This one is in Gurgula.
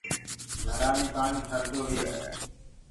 گھڙآ مي پآڻيٚ ٺردو هي